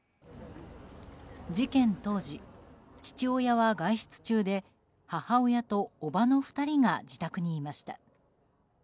事件当時、父親は外出中で母親と叔母の２人が自宅にいました。